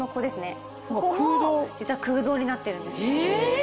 ここも実は空洞になってるんです。